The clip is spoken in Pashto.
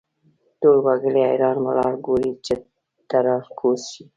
ټول وګړي حیران ولاړ ګوري چې ته را کوز شې.